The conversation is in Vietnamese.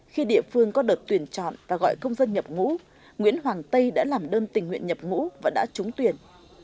khi địa phương có đợt tuyển chọn và gọi công dân nhập ngũ nguyễn hoàng tây đã làm đơn tình nguyện nhập ngũ và đã trúng tuyển